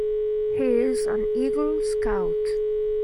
He is an Eagle Scout.